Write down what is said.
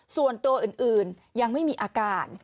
ส่วนตัวอื่นยังไม่มีอาการ